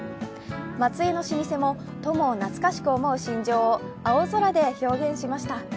松江の老舗も友を懐かしく思う心情を青空で表現しました。